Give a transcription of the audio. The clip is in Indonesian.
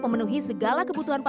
memenuhi segala kebutuhan